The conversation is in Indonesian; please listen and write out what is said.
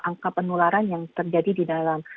angka penularan yang terjadi di dalam